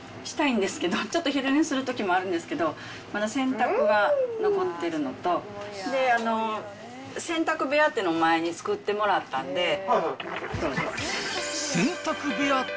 したいんですけど、ちょっと昼寝するときもあるんですけど、まだ洗濯が残ってるのと、洗濯部屋っていうのを前に作ってもらったんで。